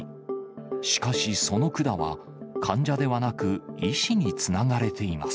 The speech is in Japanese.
しかし、その管は患者ではなく、医師につながれています。